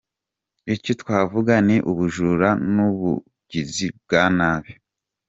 Icyo twavuga ni ubujura n’ubugizi bwa nabi.